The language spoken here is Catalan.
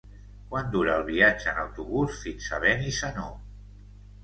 Quant dura el viatge en autobús fins a Benissanó?